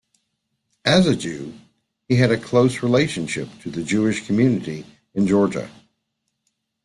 As a Jew, he had a close relationship to the Jewish community in Georgia.